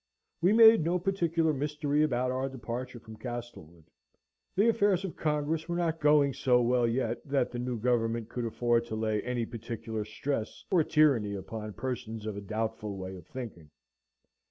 We made no particular mystery about our departure from Castlewood; the affairs of Congress were not going so well yet that the new government could afford to lay any particular stress or tyranny upon persons of a doubtful way of thinking.